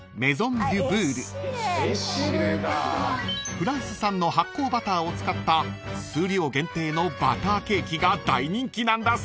［フランス産の発酵バターを使った数量限定のバターケーキが大人気なんだそう］